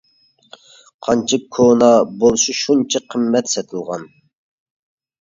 قانچە كونا بولسا شۇنچە قىممەت سېتىلغان.